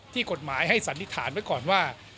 กฎหมายให้สันนิษฐานไว้ก่อนว่า